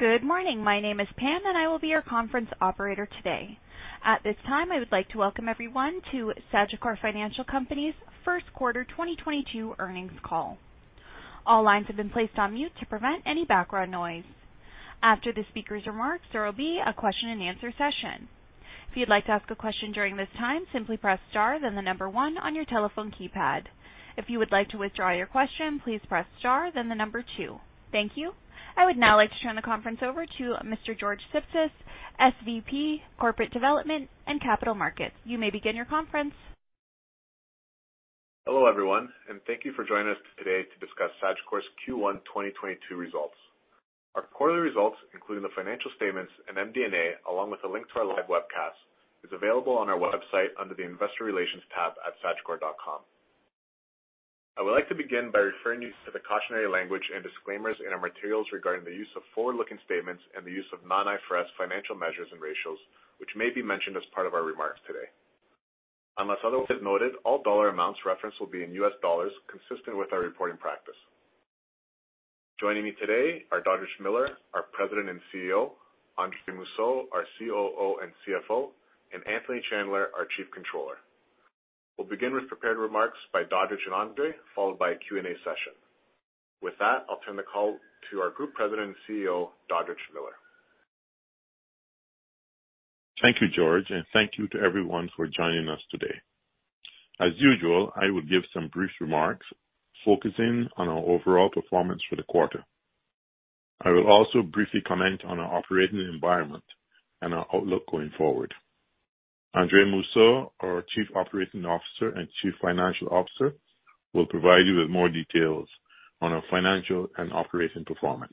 Good morning. My name is Pam, and I will be your conference operator today. At this time, I would like to welcome everyone to Sagicor Financial Company's first quarter 2022 earnings call. All lines have been placed on mute to prevent any background noise. After the speaker's remarks, there will be a question-and-answer session. If you'd like to ask a question during this time, simply press Star, then the number one on your telephone keypad. If you would like to withdraw your question, please press Star, then the number two. Thank you. I would now like to turn the conference over to Mr. George Sipsis, SVP, Corporate Development and Capital Markets. You may begin your conference. Hello, everyone, and thank you for joining us today to discuss Sagicor's Q1 2022 results. Our quarterly results, including the financial statements and MD&A, along with a link to our live webcast, is available on our website under the Investor Relations tab at sagicor.com. I would like to begin by referring you to the cautionary language and disclaimers in our materials regarding the use of forward-looking statements and the use of non-IFRS financial measures and ratios, which may be mentioned as part of our remarks today. Unless otherwise noted, all dollar amounts referenced will be in U.S. dollars, consistent with our reporting practice. Joining me today are Dodridge Miller, our President and CEO, Andre Mousseau, our COO and CFO, and Anthony Chandler, our Chief Controller. We'll begin with prepared remarks by Dodridge and Andre, followed by a Q&A session. With that, I'll turn the call to our Group President and CEO, Dodridge Miller. Thank you, George, and thank you to everyone for joining us today. As usual, I will give some brief remarks focusing on our overall performance for the quarter. I will also briefly comment on our operating environment and our outlook going forward. Andre Mousseau, our Chief Operating Officer and Chief Financial Officer, will provide you with more details on our financial and operating performance.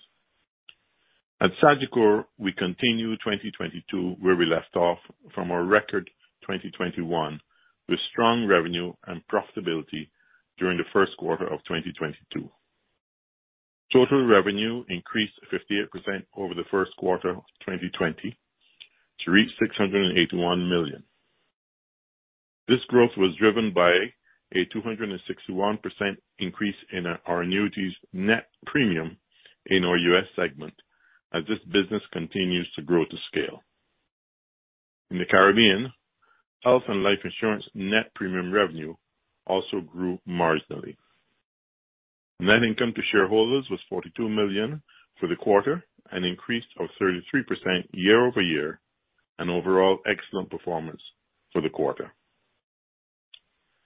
At Sagicor, we continue 2022 where we left off from our record 2021, with strong revenue and profitability during the first quarter of 2022. Total revenue increased 58% over the first quarter of 2020 to reach $681 million. This growth was driven by a 261% increase in our annuities net premium in our U.S. segment as this business continues to grow to scale. In the Caribbean, health and life insurance net premium revenue also grew marginally. Net income to shareholders was $42 million for the quarter, an increase of 33% year-over-year, an overall excellent performance for the quarter.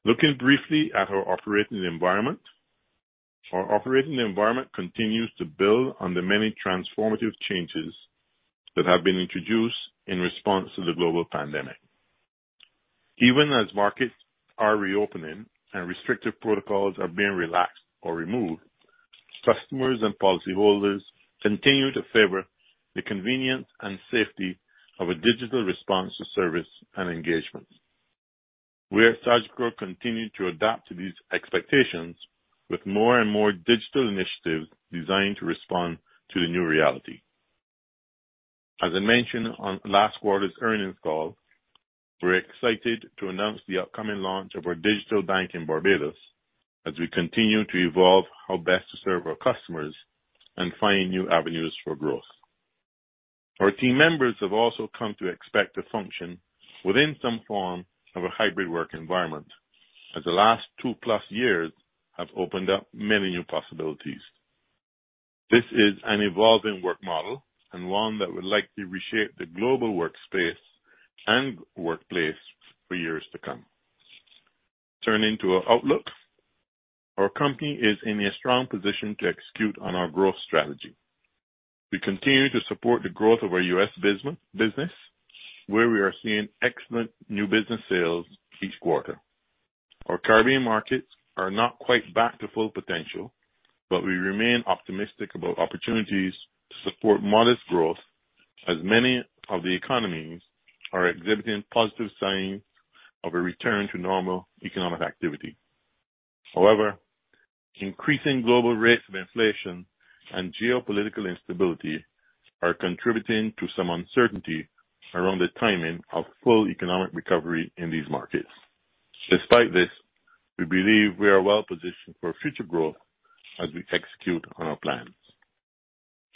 Looking briefly at our operating environment. Our operating environment continues to build on the many transformative changes that have been introduced in response to the global pandemic. Even as markets are reopening and restrictive protocols are being relaxed or removed, customers and policyholders continue to favor the convenience and safety of a digital response to service and engagement. We at Sagicor continue to adapt to these expectations with more and more digital initiatives designed to respond to the new reality. As I mentioned on last quarter's earnings call, we're excited to announce the upcoming launch of our digital bank in Barbados as we continue to evolve how best to serve our customers and find new avenues for growth. Our team members have also come to expect to function within some form of a hybrid work environment as the last two-plus years have opened up many new possibilities. This is an evolving work model and one that will likely reshape the global workspace and workplace for years to come. Turning to our outlook. Our company is in a strong position to execute on our growth strategy. We continue to support the growth of our U.S.business, where we are seeing excellent new business sales each quarter. Our Caribbean markets are not quite back to full potential, but we remain optimistic about opportunities to support modest growth as many of the economies are exhibiting positive signs of a return to normal economic activity. However, increasing global rates of inflation and geopolitical instability are contributing to some uncertainty around the timing of full economic recovery in these markets. Despite this, we believe we are well-positioned for future growth as we execute on our plans.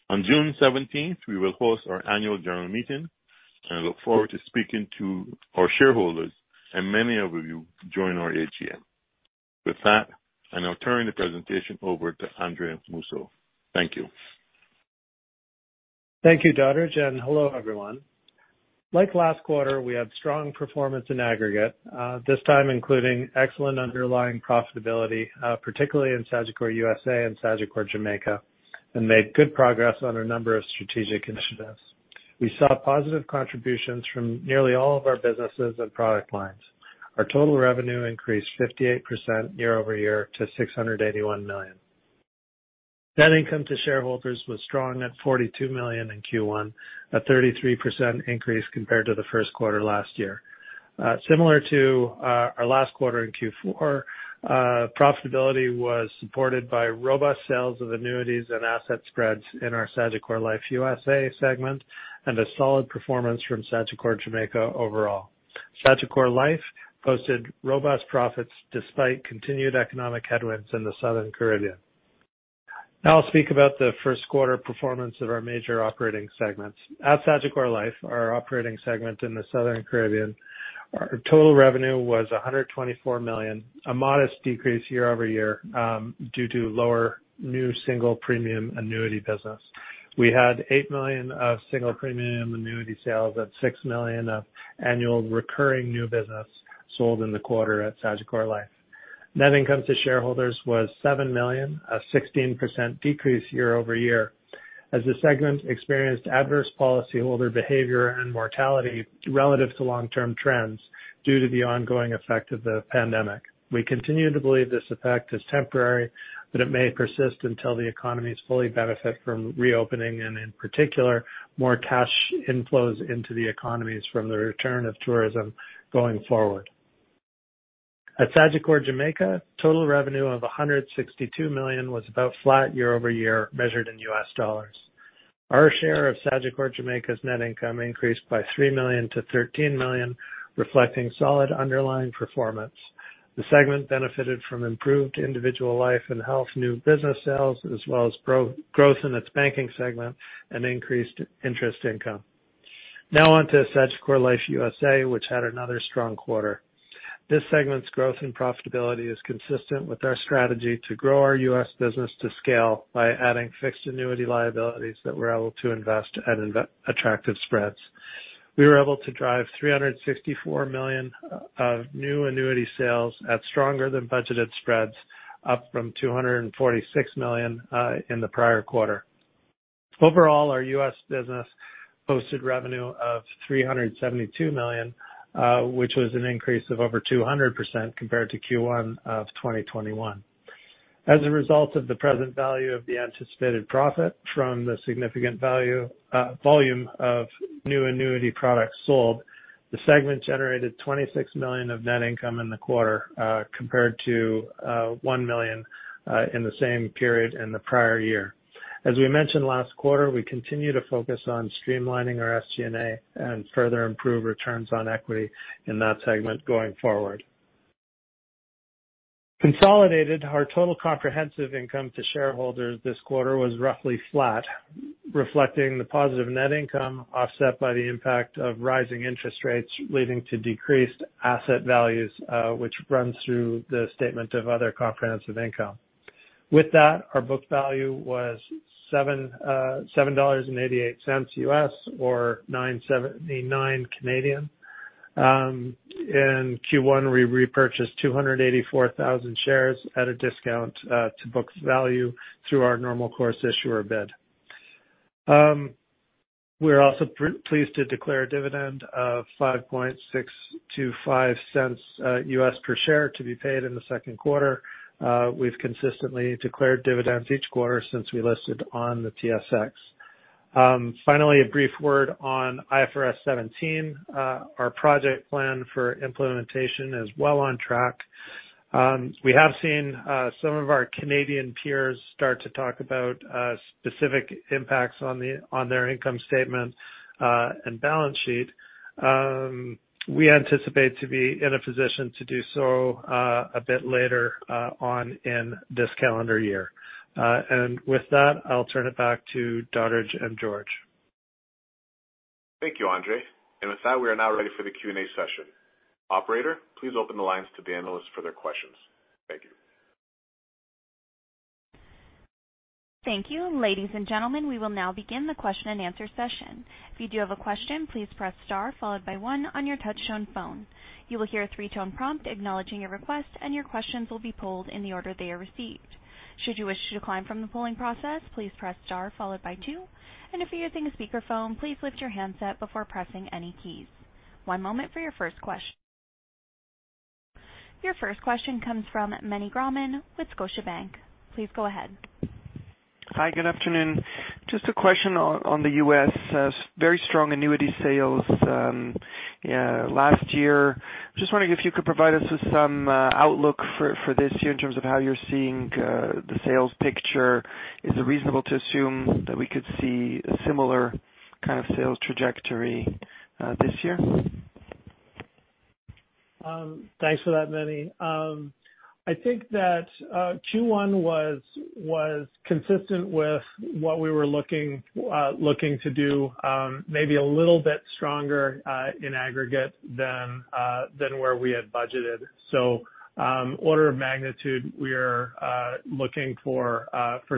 On June seventeenth, we will host our annual general meeting, and I look forward to speaking to our shareholders, and many of you join our AGM. With that, I now turn the presentation over to Andre Mousseau. Thank you. Thank you, Dodridge, and hello, everyone. Like last quarter, we had strong performance in aggregate, this time including excellent underlying profitability, particularly in Sagicor USA and Sagicor Jamaica, and made good progress on a number of strategic initiatives. We saw positive contributions from nearly all of our businesses and product lines. Our total revenue increased 58% year-over-year to $681 million. Net income to shareholders was strong at $42 million in Q1, a 33% increase compared to the first quarter last year. Similar to our last quarter in Q4, profitability was supported by robust sales of annuities and asset spreads in our Sagicor Life USA segment and a solid performance from Sagicor Jamaica overall. Sagicor Life posted robust profits despite continued economic headwinds in the Southern Caribbean. Now I'll speak about the first quarter performance of our major operating segments. At Sagicor Life, our operating segment in the Southern Caribbean, our total revenue was $124 million, a modest decrease year-over-year, due to lower new single premium annuity business. We had $8 million of single premium annuity sales with $6 million of annual recurring new business sold in the quarter at Sagicor Life. Net income to shareholders was $7 million, a 16% decrease year-over-year as the segment experienced adverse policyholder behavior and mortality relative to long-term trends due to the ongoing effect of the pandemic. We continue to believe this effect is temporary, but it may persist until the economies fully benefit from reopening and in particular, more cash inflows into the economies from the return of tourism going forward. At Sagicor Jamaica, total revenue of $162 million was about flat year-over-year, measured in US dollars. Our share of Sagicor Jamaica's net income increased by $3 million to $13 million, reflecting solid underlying performance. The segment benefited from improved individual life and health, new business sales, as well as growth in its banking segment and increased interest income. Now on to Sagicor Life USA, which had another strong quarter. This segment's growth and profitability is consistent with our strategy to grow our U.S. business to scale by adding fixed annuity liabilities that we're able to invest at attractive spreads. We were able to drive $364 million of new annuity sales at stronger-than-budgeted spreads, up from $246 million in the prior quarter. Overall, our U.S. business posted revenue of $372 million, which was an increase of over 200% compared to Q1 of 2021. As a result of the present value of the anticipated profit from the significant volume of new annuity products sold, the segment generated $26 million of net income in the quarter, compared to $1 million in the same period in the prior year. As we mentioned last quarter, we continue to focus on streamlining our SG&A and further improve returns on equity in that segment going forward. Consolidated, our total comprehensive income to shareholders this quarter was roughly flat, reflecting the positive net income offset by the impact of rising interest rates leading to decreased asset values, which runs through the statement of other comprehensive income. With that, our book value was $7.88 or 9.79. In Q1, we repurchased 284,000 shares at a discount to book value through our normal course issuer bid. We're also pleased to declare a dividend of $0.05625 US per share to be paid in the second quarter. We've consistently declared dividends each quarter since we listed on the TSX. Finally, a brief word on IFRS 17. Our project plan for implementation is well on track. We have seen some of our Canadian peers start to talk about specific impacts on their income statement and balance sheet. We anticipate to be in a position to do so a bit later on in this calendar year. With that, I'll turn it back to Dodridge and George. Thank you, Andre. With that, we are now ready for the Q&A session. Operator, please open the lines to the analysts for their questions. Thank you. Thank you. Ladies and gentlemen, we will now begin the question and answer session. If you do have a question, please press star followed by one on your touch-tone phone. You will hear a three-tone prompt acknowledging your request, and your questions will be pulled in the order they are received. Should you wish to decline from the polling process, please press star followed by two. If you're using a speakerphone, please lift your handset before pressing any keys. One moment. Your first question comes from Meny Grauman with Scotiabank. Please go ahead. Hi, good afternoon. Just a question on the U.S., very strong annuity sales last year. Just wondering if you could provide us with some outlook for this year in terms of how you're seeing the sales picture. Is it reasonable to assume that we could see a similar kind of sales trajectory this year? Thanks for that, Meny. I think that Q1 was consistent with what we were looking to do, maybe a little bit stronger in aggregate than where we had budgeted. Order of magnitude, we are looking for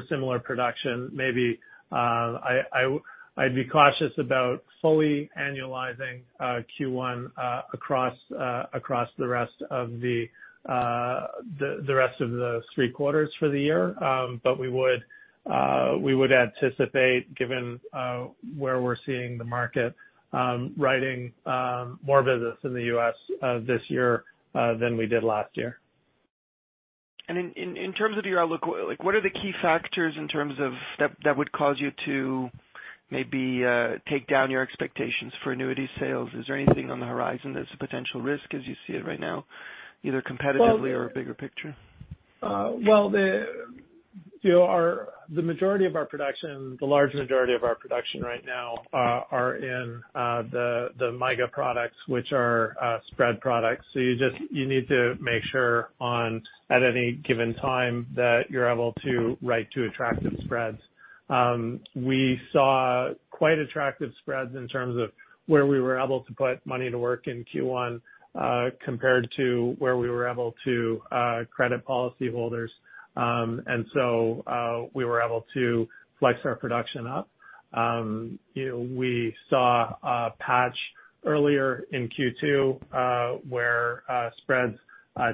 similar production, maybe. I'd be cautious about fully annualizing Q1 across the rest of the three quarters for the year. We would anticipate, given where we're seeing the market, writing more business in the U.S. this year than we did last year. In terms of your outlook, like what are the key factors in terms of that would cause you to maybe take down your expectations for annuity sales? Is there anything on the horizon that's a potential risk as you see it right now, either competitively or bigger picture? Well, you know, the majority of our production, the large majority of our production right now, are in the MYGA products, which are spread products. You need to make sure at any given time that you're able to write to attractive spreads. We saw quite attractive spreads in terms of where we were able to put money to work in Q1 compared to where we were able to credit policy holders. We were able to flex our production up. You know, we saw a patch earlier in Q2 where spreads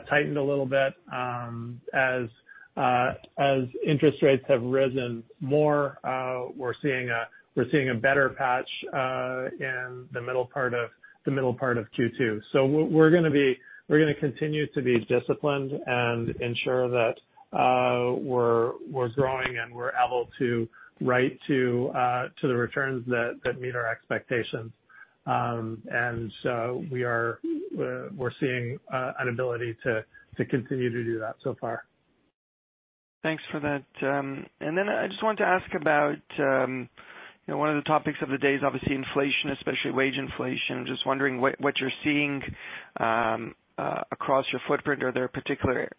tightened a little bit as interest rates have risen more. We're seeing a better patch in the middle part of Q2. We're gonna continue to be disciplined and ensure that we're growing and we're able to write to the returns that meet our expectations. We are seeing an ability to continue to do that so far. Thanks for that. I just wanted to ask about, you know, one of the topics of the day is obviously inflation, especially wage inflation. Just wondering what you're seeing across your footprint. Are there particular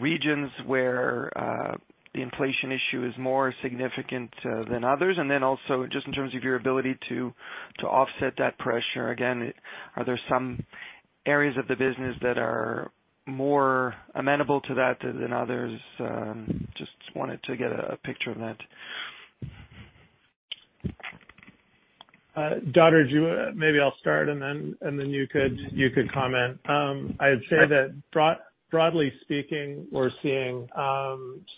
regions where the inflation issue is more significant than others? Just in terms of your ability to offset that pressure, again, are there some areas of the business that are more amenable to that than others? Just wanted to get a picture of that. Dodridge, maybe I'll start, and then you could comment. I'd say that broadly speaking, we're seeing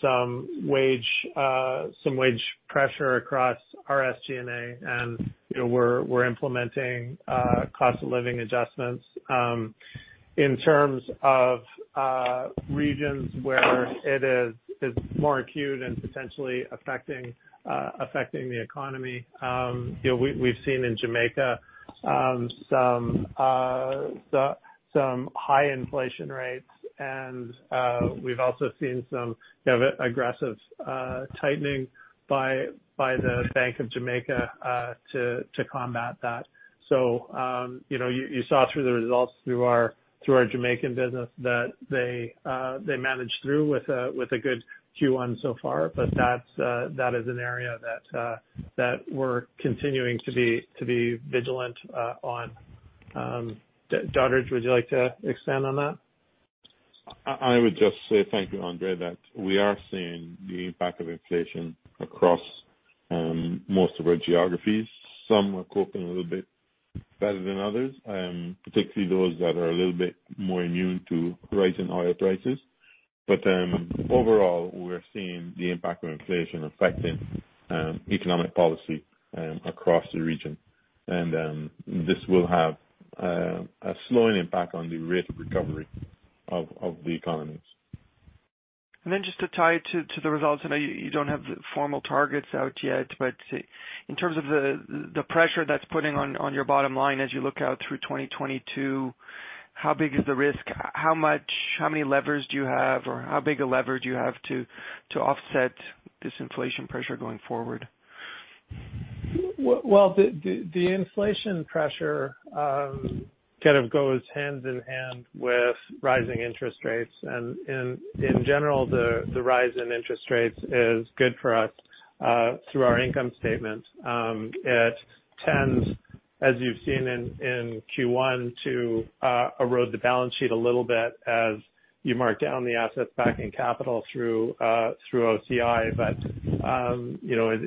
some wage pressure across our SG&A, and you know, we're implementing cost of living adjustments. In terms of regions where it is more acute and potentially affecting the economy, you know, we've seen in Jamaica some high inflation rates, and we've also seen some aggressive tightening by the Bank of Jamaica to combat that. You saw the results of our Jamaican business that they managed through with a good Q1 so far. That is an area that we're continuing to be vigilant on. Dodridge, would you like to expand on that? I would just say thank you, Andre, that we are seeing the impact of inflation across most of our geographies. Some are coping a little bit better than others, particularly those that are a little bit more immune to rising oil prices. But overall, we're seeing the impact of inflation affecting economic policy across the region. This will have a slowing impact on the rate of recovery of the economies. Just to tie it to the results, I know you don't have the formal targets out yet, but in terms of the pressure that's putting on your bottom line as you look out through 2022, how big is the risk? How many levers do you have, or how big a lever do you have to offset this inflation pressure going forward? Well, the inflation pressure kind of goes hand in hand with rising interest rates. In general, the rise in interest rates is good for us through our income statement. It tends, as you've seen in Q1, to erode the balance sheet a little bit as you mark down the assets backing capital through OCI. You know,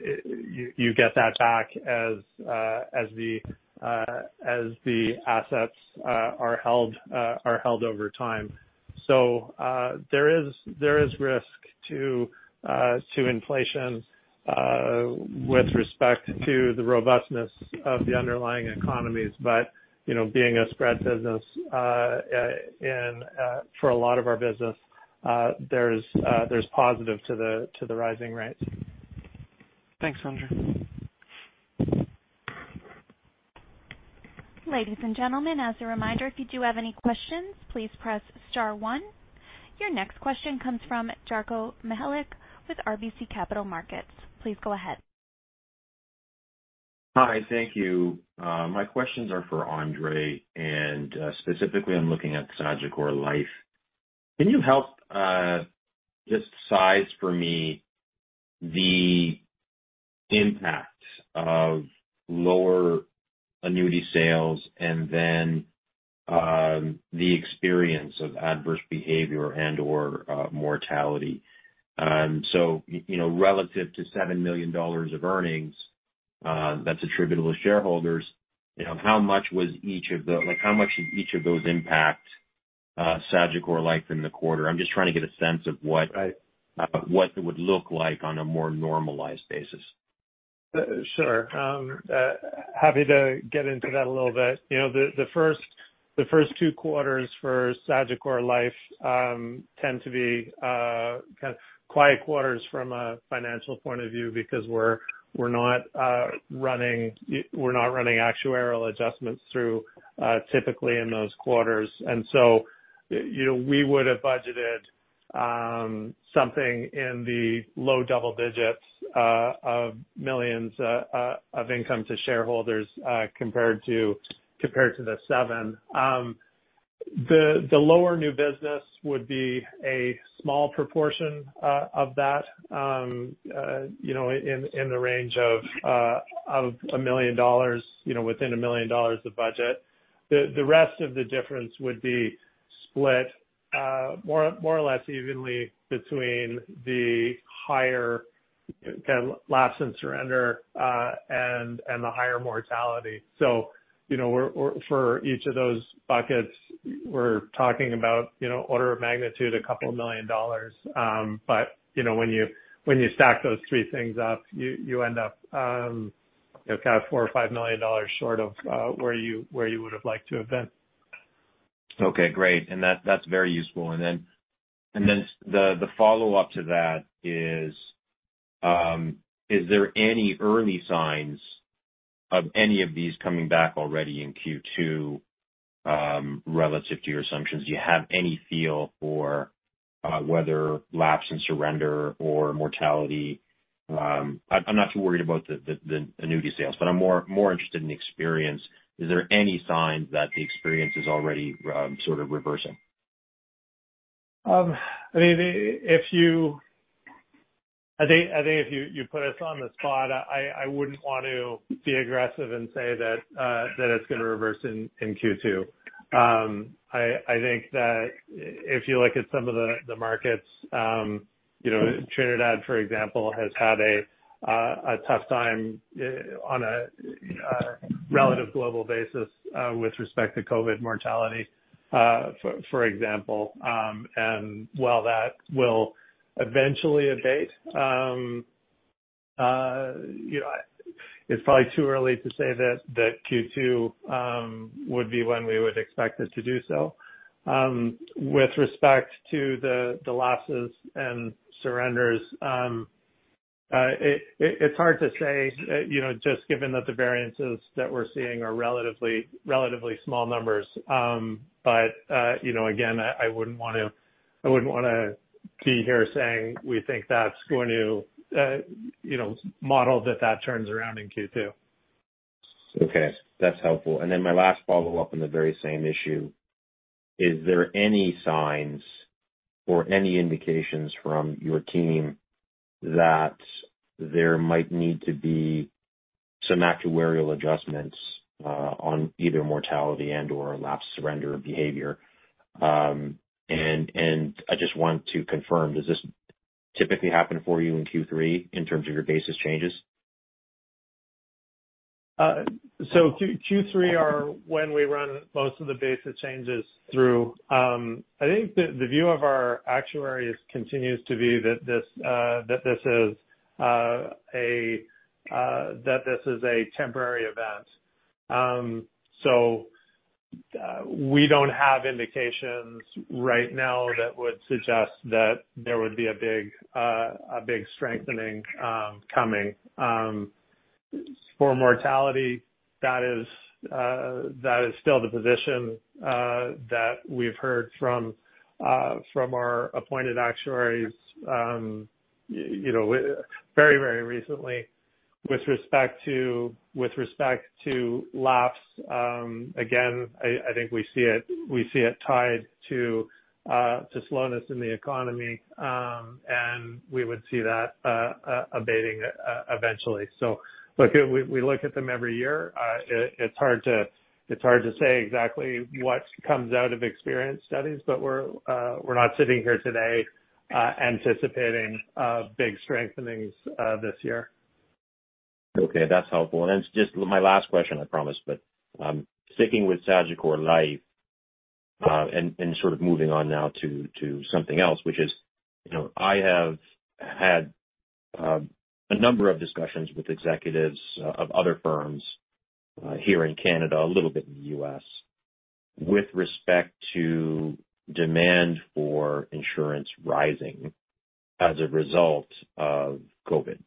you get that back as the assets are held over time. There is risk to inflation with respect to the robustness of the underlying economies. You know, being a spread business and for a lot of our business, there's positive to the rising rates. Thanks, Andre. Ladies and gentlemen, as a reminder, if you do have any questions, please press star one. Your next question comes from Darko Mihelic with RBC Capital Markets. Please go ahead. Hi. Thank you. My questions are for Andre, and specifically I'm looking at Sagicor Life. Can you help just size for me the impact of lower annuity sales and then the experience of adverse behavior and/or mortality? So, you know, relative to $7 million of earnings that's attributable to shareholders, you know, like, how much did each of those impact Sagicor Life in the quarter? I'm just trying to get a sense of what Right. What it would look like on a more normalized basis. Sure. Happy to get into that a little bit. You know, the first two quarters for Sagicor Life tend to be kind of quiet quarters from a financial point of view because we're not running actuarial adjustments through typically in those quarters. You know, we would have budgeted something in the low double digits of millions of income to shareholders compared to the $7 million. The lower new business would be a small proportion of that, you know, in the range of $1 million, you know, within $1 million of budget. The rest of the difference would be split more or less evenly between the higher kind of lapse and surrender and the higher mortality. You know, for each of those buckets, we're talking about, you know, order of magnitude a couple million dollars. You know, when you stack those three things up, you end up, you know, kind of $4 million or $5 million short of where you would've liked to have been. Okay, great. That, that's very useful. Then the follow-up to that is there any early signs of any of these coming back already in Q2, relative to your assumptions? Do you have any feel for whether lapse and surrender or mortality? I'm not too worried about the annuity sales, but I'm more interested in experience. Is there any signs that the experience is already sort of reversing? I mean, if you put us on the spot, I wouldn't want to be aggressive and say that it's gonna reverse in Q2. I think that if you look at some of the markets, you know, Trinidad, for example, has had a tough time on a relative global basis with respect to COVID mortality, for example. While that will eventually abate, you know, it's probably too early to say that Q2 would be when we would expect it to do so. With respect to the lapses and surrenders, it's hard to say, you know, just given that the variances that we're seeing are relatively small numbers. You know, again, I wouldn't wanna be here saying we think that's going to, you know, model that turns around in Q2. Okay, that's helpful. My last follow-up on the very same issue, is there any signs or any indications from your team that there might need to be some actuarial adjustments on either mortality and/or lapse surrender behavior? I just want to confirm, does this typically happen for you in Q3 in terms of your basis changes? Q3 is when we run most of the basis changes through. I think the view of our actuaries continues to be that this is a temporary event. We don't have indications right now that would suggest that there would be a big strengthening coming. For mortality, that is still the position that we've heard from our appointed actuaries, you know, very recently. With respect to lapse, again, I think we see it tied to slowness in the economy. We would see that abating eventually. We look at them every year. It's hard to say exactly what comes out of experience studies, but we're not sitting here today anticipating big strengthenings this year. Okay, that's helpful. It's just my last question, I promise. Sticking with Sagicor Life, and sort of moving on now to something else, which is, you know, I have had a number of discussions with executives of other firms here in Canada, a little bit in the U.S., with respect to demand for insurance rising as a result of COVID.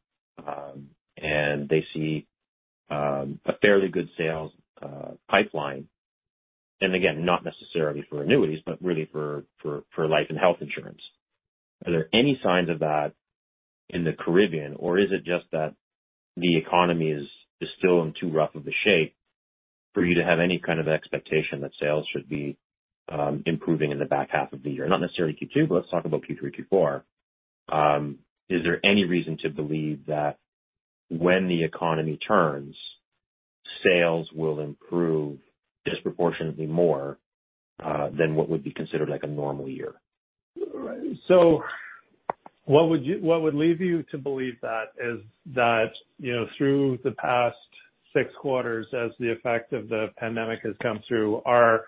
They see a fairly good sales pipeline, and again, not necessarily for annuities, but really for life and health insurance. Are there any signs of that in the Caribbean, or is it just that the economy is still in too rough of a shape for you to have any kind of expectation that sales should be improving in the back half of the year? Not necessarily Q2, but let's talk about Q3, Q4. Is there any reason to believe that when the economy turns, sales will improve disproportionately more than what would be considered like a normal year? What would lead you to believe that is that, you know, through the past six quarters, as the effect of the pandemic has come through, our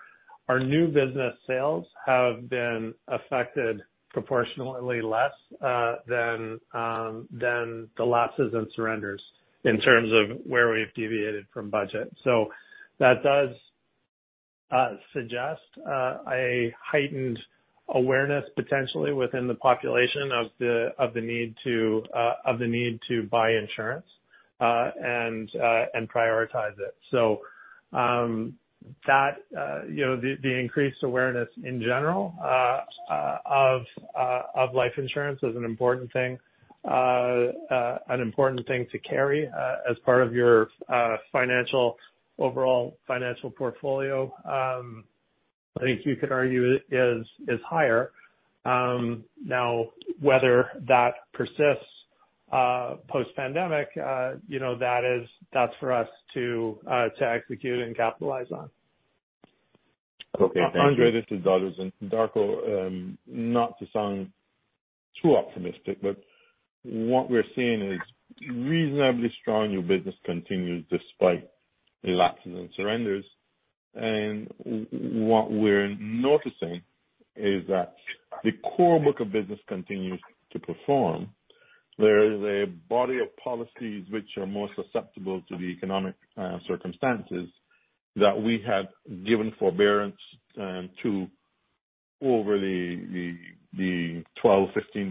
new business sales have been affected proportionately less than the lapses and surrenders in terms of where we've deviated from budget. That does suggest a heightened awareness potentially within the population of the need to buy insurance and prioritize it. That, you know, the increased awareness in general of life insurance is an important thing. An important thing to carry as part of your overall financial portfolio. I think you could argue is higher. Now, whether that persists post-pandemic, you know, that is, that's for us to execute and capitalize on. Okay. Thank you. Andre, this is Dodridge and Darko. Not to sound too optimistic, but what we're seeing is reasonably strong new business continues despite lapses and surrenders. What we're noticing is that the core book of business continues to perform. There is a body of policies that are more susceptible to the economic circumstances that we have given forbearance to over the 12-15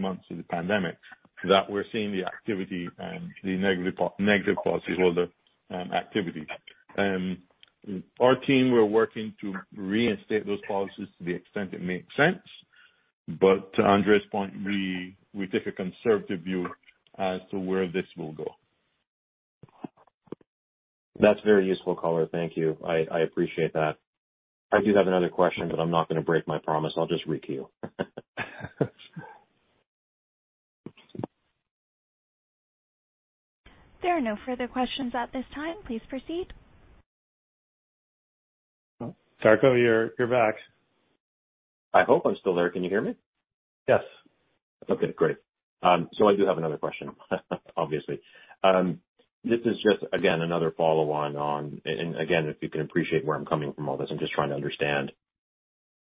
months of the pandemic, that we're seeing the activity and the negative policyholder activity. Our team, we're working to reinstate those policies to the extent it makes sense. To Andre's point, we take a conservative view as to where this will go. That's very useful, color. Thank you. I appreciate that. I do have another question, but I'm not gonna break my promise. I'll just re-queue. There are no further questions at this time. Please proceed. Darko, you're back. I hope I'm still there. Can you hear me? Yes. Okay, great. I do have another question obviously. This is just again, another follow-on, and again, if you can appreciate where I'm coming from all this, I'm just trying to understand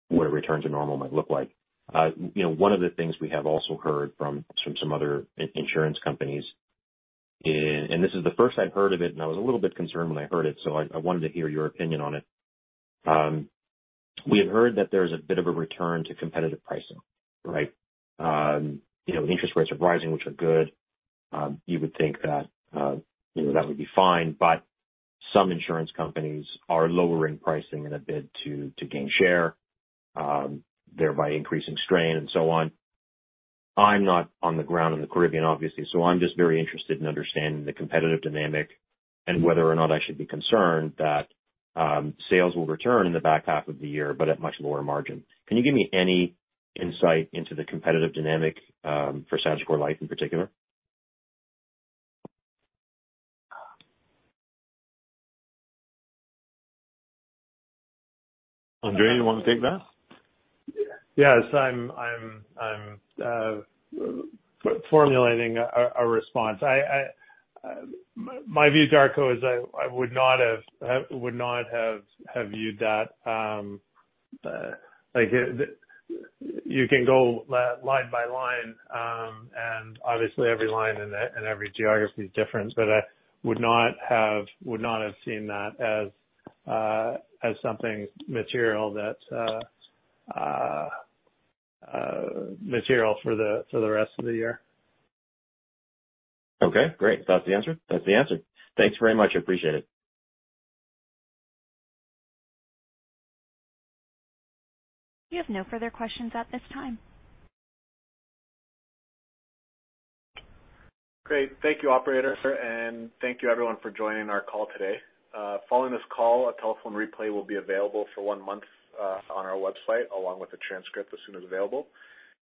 what a return to normal might look like. You know, one of the things we have also heard from some other insurance companies, and this is the first I'd heard of it, and I was a little bit concerned when I heard it, so I wanted to hear your opinion on it. We have heard that there's a bit of a return to competitive pricing, right? You know, interest rates are rising, which are good. You would think that, you know, that would be fine, but some insurance companies are lowering pricing in a bid to gain share, thereby increasing strain and so on. I'm not on the ground in the Caribbean, obviously, so I'm just very interested in understanding the competitive dynamic and whether or not I should be concerned that sales will return in the back half of the year but at much lower margin. Can you give me any insight into the competitive dynamic for Sagicor Life in particular? Andre, you wanna take that? Yes. I'm formulating a response. My view, Darko, is I would not have viewed that like you can go line by line and obviously every line and every geography is different, but I would not have seen that as something material ,for the rest of the year. Okay, great. If that's the answer, that's the answer. Thanks very much. I appreciate it. We have no further questions at this time. Great. Thank you, operator. Thank you everyone for joining our call today. Following this call, a telephone replay will be available for one month on our website, along with the transcript as soon as available.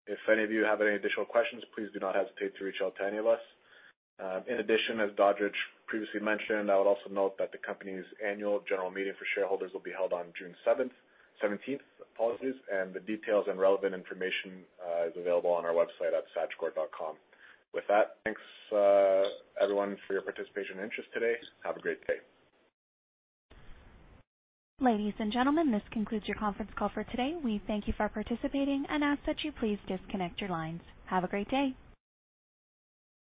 If any of you have any additional questions, please do not hesitate to reach out to any of us. In addition, as Dodridge previously mentioned, I would also note that the company's annual general meeting for shareholders will be held on June seventeenth, apologies. The details and relevant information is available on our website at sagicor.com. With that, thanks everyone for your participation and interest today. Have a great day. Ladies and gentlemen, this concludes your conference call for today. We thank you for participating and ask that you please disconnect your lines. Have a great day.